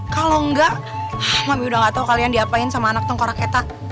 kalau enggak mami udah gak tau kalian diapain sama anak tengkorak eta